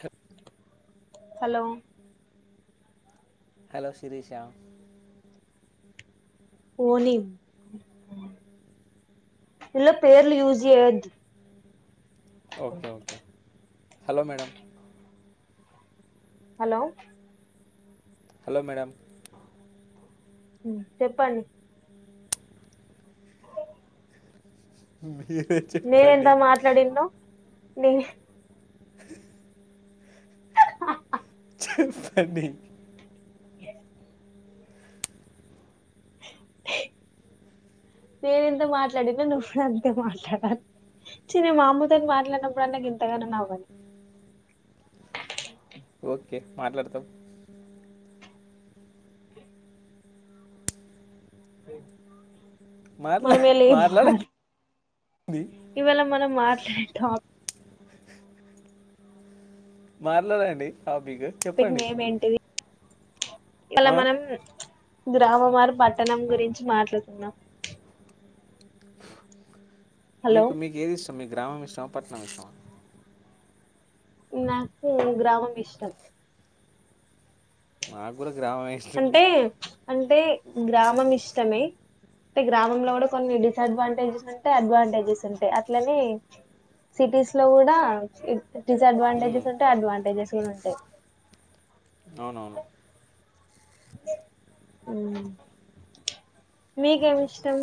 హ్ hello hello Sirisha ఓని ఇన్ల పేర్లు యూస్ జేయ్యొద్దు okay okay hello madam hello hello madam ఉం చెప్పండి ఉమ్ నేను ఎంత మాట్లాడిన్నో నీ చెప్పండి ఏస్ నేను ఎంత మాట్లాడిన్నో నువ్వు కూడ అంతే మాట్లాడలి చిన్న నా మామ్మతోని మాట్లాడినప్పుడన్న గింతగనం నవ్వలే ఓకే మాట్లాడుతాం మాట్లా మనమే లేపాలి మాట్లాడండి ఇవ్వాళా మనం మాట్లాడే టాప్ మాట్లాడండి టాపిక్ చెప్పండి అలా ఆ? మనం గ్రామ మారు పట్టణం గురించి మాట్లాడుతున్నాం హలో మీకు మీకు ఏది ఇష్టం మీ గ్రామం ఇష్టమా పట్టణం ఇష్టమా నాకు గ్రామం ఇష్టం నాగూడా అంటే అంటే గ్రామం ఇష్టమే అంటే గ్రామంలో కూడా కొన్ని డిసడ్వాంటేజస్ ఉంటాయి అడ్వాంటేజెస్ ఉంటాయి అట్లనే సిటీస్ లో గూడా ఉమ్, డిసఅడ్వాంటేజెస్ ఉంటాయి అడ్వాంటేజెస్ గూడా ఉంటాయ్ అవునవును ఉ నీకేమి ఇష్టం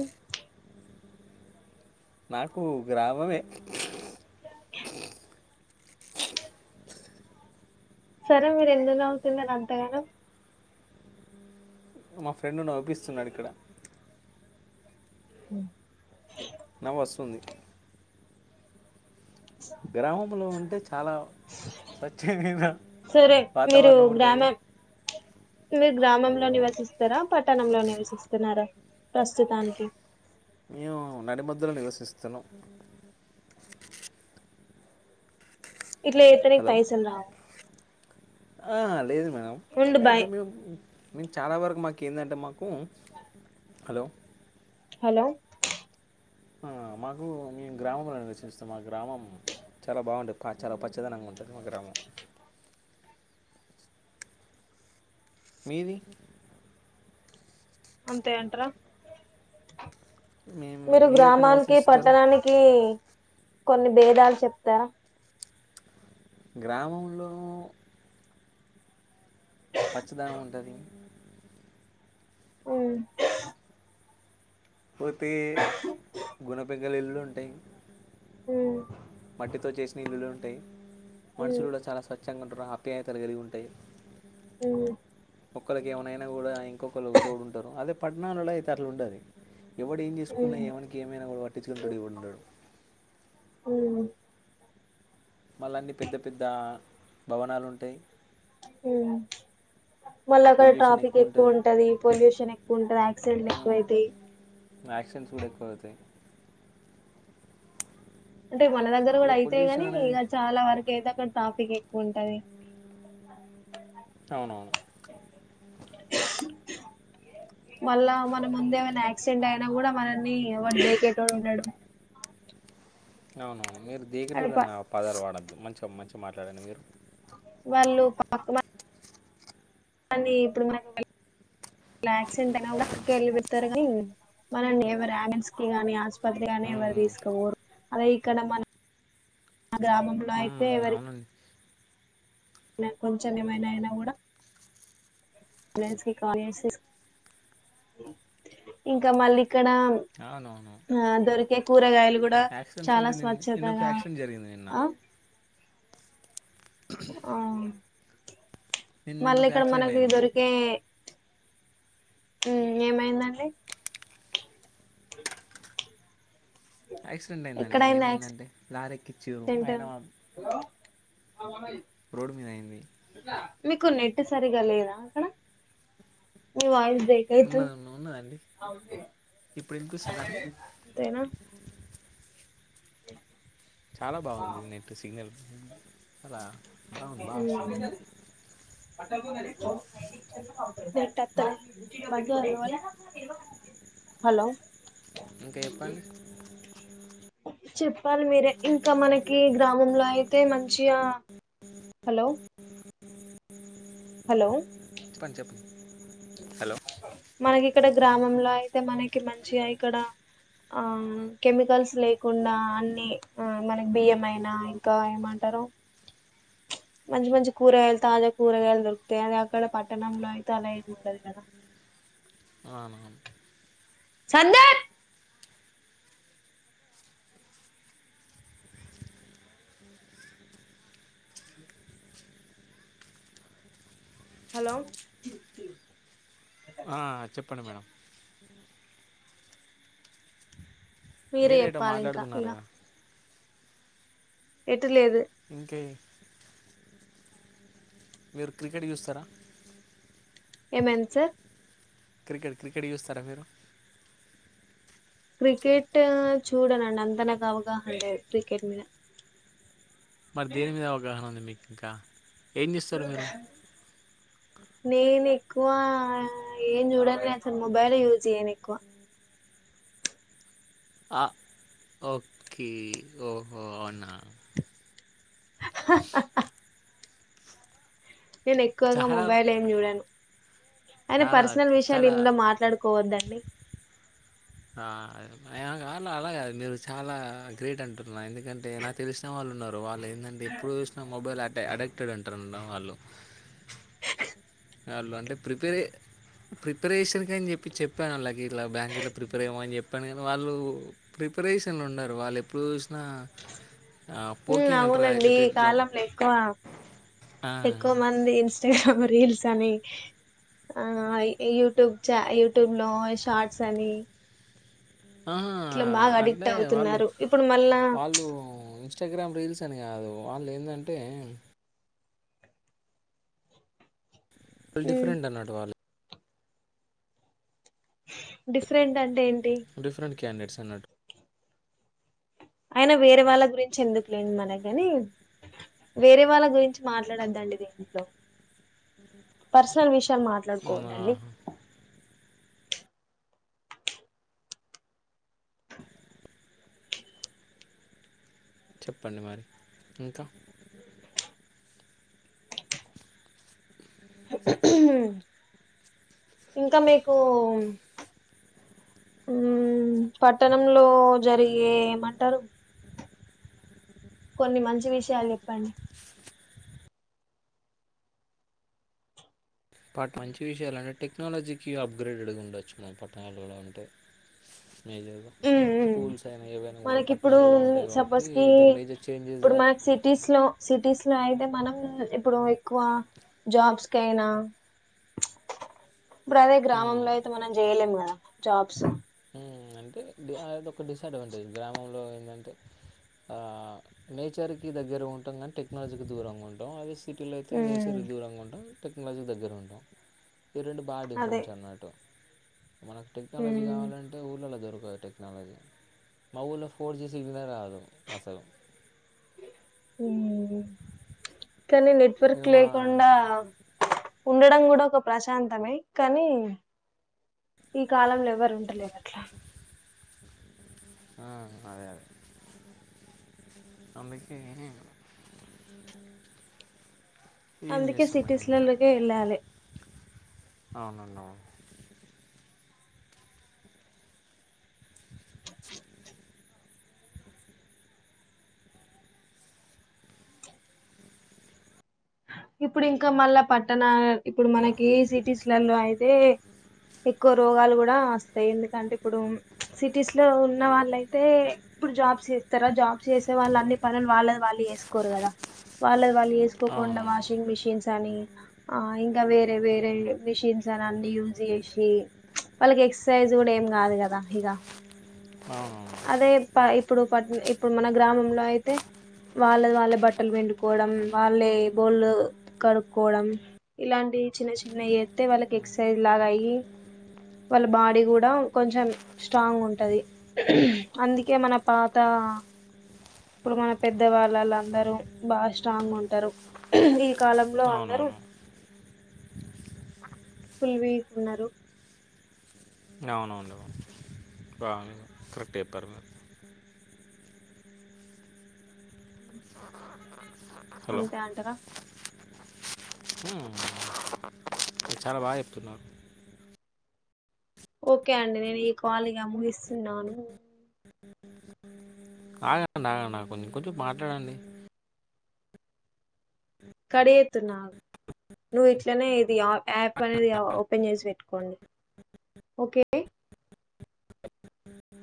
నాకు గ్రామమే సరే మీరు ఎందుకు నవ్వుతున్నారు అంతగనం మా ఫ్రెండ్ నవ్విపిస్తున్నాడు ఇక్కడ ఉ నవ్ వస్తుంది గ్రామంలో ఉంటే చాలా స్వచ్ఛమై సరే మీరు గ్రామం మీరు గ్రామంలో నివసిస్తారా పట్టణంలో నివసిస్తున్నారా ప్రస్తుతానికి మేము నడిమధ్యలో నివసిస్తున్నాం ఇట్లా చెపితేయ్ నీకు హలో పైసల్ రావు ఆ లేదు మేడం ఉండు అయితే బాయ్ మేమ్ మేము చాలా వరకు మాకి కిందంటె మాకు హలో హలో ఆ మాకు మేము గ్రామంలో నివసిస్తాం మా గ్రామం చాలా బాగుంటది పచ్చా చాలా పచ్చదనంగా ఉం ఉంటది మ గ్రామం మీది అంతే అంటారా మీ- మీ- మీరు ఎక్కడ గ్రామానికి నివసిస్తారు పట్టణానికి కొన్ని భేదాలు చెప్తారా గ్రామంలో పచ్చదనం ఉంటది ఉమ్ పోతే గుణపెగలు ఇల్లు ఉంటాయి ఉ మట్టితో చేసిన ఇల్లులు ఉంటాయి ఉమ్, మనుషులు కూడా చాలా స్వచ్ఛంగా ఉంటారు ఆప్యాయతలు కలిగి ఉంటాయి ఉమ్ ఒక్కల కి ఏమైనా అయినా కూడా ఇంకొకలు తోడుంటారు అదే పట్టణాలలు అయితే అట్ల ఉండది ఎవడు ఏం చేసుకున్నా ఉమ్, ఎవనికి ఏమైనా వా పట్టించుకుంటాడు ఎవడుండు ఉమ్, మళ్ళ అన్ని పెద్ద పెద్ద భవనాలు ఉంటాయి ఉమ్ మళ్ళ అక్కడ పొల్యూషన్ ట్రాఫిక్ ఎక్కువ ఉంటుంది ఉంటది పొల్యూషన్ ఎక్కువ ఉంటది యాక్సిడెంట్ ఎక్కువవుతాయి యాసిడెట్స్ కూడా ఎక్కువ అవుతాయి అంటే మన దగ్గర ఇక కూడా అయితయి గాని పొల్యూషన్ ఇక అనేది చాలా వరకు అయితే అక్కడ్ టాఫిక్ ఎక్కువ ఉంటది అవునవును మళ్ళా మన ముందేమన్నా యక్సెండ్ అయినా కూడా మనన్ని ఎవడు [inaudible] ఉండడు అవునవును మీరు దీగి అక్కడ ప- [inaudible] పదాలు వాడొద్దు మంచిగా మంచి గ్ మాట్లాడండి మీరు వాళ్ళు పాప మ్ అనీ ఇప్పుడు మాల్ ఇలా యాక్సెంట్ అయినా కూడా కెళ్ళిపెడతారు కానీ మనల్ని ఎవరు యమెన్సీకిగాని ఆస్పత్రికిగాని నన్ను ఎవరు ఉమ్, తీసుకవోరు అలా ఇక్కడ మన మ గ్రామంలో అయితే ఉమ్, ఎవరి అవునండి న్య కొంచెం ఏమైనా అయినా కూడా అంబులెన్స్ కి కాల్ చేసి ఇంకా మళ్ళీ ఇక్కడ అవునవును ఆ దొరికే కూరగాయలు కూడా యాక్సిడెంట్స్ చాలా అంటే నేన్ నిన్నొక స్వచ్ఛతగా యాక్సిడెంట్ జరిగింది నిన్న ఆ ఆ నిన్న నిన్న మళ్ళీ ఒక ఇక్కడ యాక్సిడెంట్ మనకి అయింది దొరికే మ్ ఏమైందండి యాక్సిడెంట్ అయిందండి ఎక్కడైంది ఏమైందంటే లారెక్కి చీరు యాక్సిడెంట్ అయినా [inaudible] రోడ్ మీద అయింది మీకు నెట్ సరిగా లేదా అక్కడ మీ వాయిస్ బ్రేక్ అయితుంది ఉన్నది ఉన్న- ఉన్నదండి ఇప్పుడు వినిపిస్తుందా అండి అంతేనా చాలా బాగుంది నెట్ సిగ్నల్ అలా బాగుంది బాస్తుంది [unintelligible] హలో ఇంక చెప్పండి చెప్పాలి మీరే ఇంకా మనకి గ్రామంలో అయితే మంచిగా హలో హలో చెప్పం చెప్పు మనకి ఇక్కడ గ్రామంలో అయితే మనకి మంచిగా ఇక్కడ ఆ కెమికల్స్ లేకుండా అన్ని ఆ మనకి బియ్యమైన ఇంకా ఏమంటా తరు మంచి మంచి కూరగాయలు తాజా కూరగాయలు దొరుకుతాయి అదే అక్కడ పట్టణంలో అయితే అలా ఏమి ఉండదు కదా అవునవ్ సందీప్ హలో ఆ చెప్పండి మేడం మీరే మీరు ఏటో చెప్పాలి ఇంకా మాట్లాడుతున్నారు ఇగ కదా లేదు ఇంకే మీరు క్రికెట్ చూస్తారా ఏమైంది సార్ క్రికెట్ క్రికెట్ చూస్తారా మీరు క్రికెట్ చూడనండి అంత నాకు అవగాహన లేదు క్రికెట్ మీన మరి దేని మీద అవగాహన ఉంది మీకు ఇంక ఏం చేస్తారు మీరు నేను ఎక్కువ ఎం చూడను. అసలు మొబైల్ యూజ్ చేయ్యను ఎక్కువ. అ ఒకే ఓహో అవున హహ్ హహ్ నేను ఎక్కువగా చాలా మొబైల్ ఏం చూడను అయిన చాలా పర్సనల్ విషయాలు చాలా ఇండ్ల మాట్లాడుకోవద్దు అండి. ఆ ల్ ఆ అలాగ కదు మీరు చాలా గ్రేట్ అంటున్న ఎందుకంటే నాకు తెలిసిన వాళ్ళు ఉన్నారు వాళ్ళు ఎందంటే ఎప్పుడు చూసిన మొబైల్ ఆట్ అడేక్టెడ్ ఉంటారు వాళ్ళు వాళ్ళు అంటే ప్రిపేరే ప్రిపరేషన్ కని చెప్పి చెప్పాను అల్లాకి ఇట్ల బ్యాంక్ గిట్లా ప్రిపేర్ అయ్యమొ అని చెప్పాను కానీ వాళ్ళు ప్రి ప్రిపరేషన్లు ఉండరు వాళ్ళు ఎప్పుడు చూసినా ఆ, మ్ పోకింగ్ అంటారు కదా, అవునండి ఇట్లా ఈ ఇట్లా ఇట్లా. కాలంలో ఎక్కువ ఆ, ఎక్కువ మంది ఇన్స్టాగ్రామ్ రీల్స్ అని ఆ ఇ యూటు చ్ యూటుబ్ లో షార్ట్స్ అని ఆ ఇట్లా బాగా అడిక్ట్ అంటే వాళ్ళు అవుతున్నారు ఇప్పుడు మళ్ళా వాళ్ళు ఇన్స్టాగ్రామ్ రీల్స్ సని కాదు వాళ్ళు ఎందంటే ఫుల్ ఉమ్ డిఫరెంట్ అన్నట్టు వాళ్ళు డిఫరెంట్ అంటే ఎం డిఫరెంట్ క్యాండేట్స్ అన్నట్టు అయిన వేరే వాళ్ళ గురించి ఎందుకులేండి మనకుగాని వేరే వాళ్ళ గురించి మాట్లాడద్దండి. దింట్లో పర్సనల్ విష్ మ్, మాట్లాడుకోవదండి ఆహా. చెప్పండి మరి ఇంక ఇంక మీకూ మ్ పట్టణంలో జరిగే ఏమంటారు కొన్ని మంచి విషయాలు చెప్పండి బట్ మంచి విషయలు అంటే టెక్నాలజీకి అప్గ్రేడడ్ ఉండవచ్చు మనం పట్టణాలలో ఉంటే మేజర్గా ఉమ్ ఉమ్ స్కూల్స్ అయినా ఏవైనా కూడా మనకి ఇప్పుడు పట్టణాలలో ఉంటాయి కాబట్టి సపోజ్ కి ద మేజర్ చేంజెస్ ఇప్పుడు దట్ మనకి సిటీస్ లో సిటీస్ లొ అయితే మనం ఇప్పుడు ఎక్కువ జాబ్స్ కి అయినా బ్రదే గ్రామంలో అయితే మనం చేయలేం కదా జాబ్స్ హ్మ్ అంటే అది ఒకటి డిస్సడ్వాంటేజ్ గ్రామంలో ఎందంటే ఆ నేచర్ కి దగ్గర ఉంటాం కానీ టెక్నాలజీకి దూరంగా ఉంటాం అది సిటీలో అయితే నేచర్ కి దూరంగా ఉంటాం టెక్నాలజీ దగ్గర ఉంటాం ఈ రెండు బాగా అదే డిఫరెంట్స్ అన్నట్టు మనకు టెక్నాలజీ ఉమ్ కావాల ఊర్లలో దొరకదు టెక్నాలజీ మా ఊళ్లో ఫోర్ జీ సిగ్నల్ రాదు అసలు హ్మ్ కానీ ఇక నెట్వర్క్ మా లేకుండా ఉండడం కూడా ఒక ప్రశాంతమే కానీ ఈ కాలంల ఎవరు ఉంటలేరు అట్లా ఆ అదే అదే అందుకే ఏం అందుకే చేస్తాం మేడం సిటీస్లా ఇక లకే వెళ్ళాలి అవునండి అవును చ్ ఇప్పుడు ఇంకా మళ్ళా పట్టణ ఇప్పుడు ఇక మనకీ సిటీస్లలో అయితే ఎక్కువ రోగాలు కూడా వస్తాయి ఎందుకంటే ఇప్పుడు ప్చ్ సిటీస్ లో ఉన్న వాళ్ళయితే తె ఇప్పుడు జాబ్స్ చేస్తారా జాబ్స్ చేసే వాళ్ళు అన్ని పనులు వాళ్లది వాళ్ళు చెసుకోరు కదా వాళ్ళద్ వాల్ చేసుకోకుండా అవునవును వాష్ మిషన్స్ అని ఆ ఇంకా వేరే వేరే మిషన్స్ అని అన్ని యూస్ చేసి ప్చ్ వాళ్ళకి ఎక్సర్సైజ్ కూడా ఏం కాదు కదా ఇక అవునవును అదే పైప్ ఇప్పుడు పట్ ఇప్పుడు మన గ్రామంలో అయితే వాళ్లది వాలే బట్టలు విండుకోవడం వాలె బోళ్ళు కడుక్కోవడం ఇలాంటివి చిన్న చిన్నవి చేస్తే వాళ్ళకి ఎక్సర్సైజ్ లాగా అయ్యి వాళ్ళ బాడీ కూడా కొంచెం స్ట్రాంగ్ ఉంటది అందుకే మన పాత ఆ ఇప్పుడు మన పెద్ద వాళ్ళళ అందరూ బాగా స్ట్రాంగ్ ఉంటారు ఈ కాలంలో అందరూ అవునవును ఫుల్ వీక్ ఉన్నారు అవునవును బాగానే కరెక్ట్ చెప్పారు మీరు ఊ అంతే అంటార హ్మ్ మీర్ చాలా బాగా చెప్తున్నారు ఓకే అండి నేను ఈ కాల్ ఇగ ముగిస్తునాను ఆగండి ఆగండి కొంచం కొంచం మాట్లాడండి కడ్ చేతున అగు నువ్వు ఇట్లనే ఇది ఆ యాప్ అనేది ఓపెన్ చేసి పెట్టుకోండి ఓకే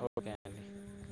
ఓకే అండి